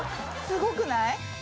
すごくない？